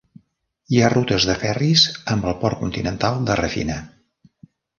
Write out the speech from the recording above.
Hi ha rutes de ferris amb el port continental de Rafina.